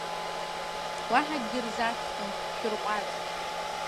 Уаҳа акгьы рзацҵом, шәырҟәаҵ!